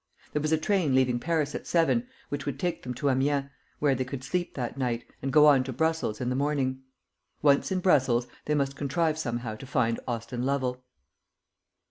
There was a train leaving Paris at seven, which would take them to Amiens, where they could sleep that night, and go on to Brussels in the morning. Once in Brussels, they must contrive somehow to find Austin Lovel.